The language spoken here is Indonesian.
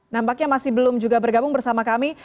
nampaknya masih belum juga bergabung bersama kami